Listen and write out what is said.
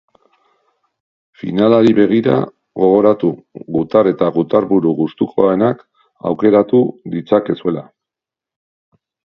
Finalari begira, gogoratu, gutar eta gutarburu gustukoenak aukeratu ditzakezuela.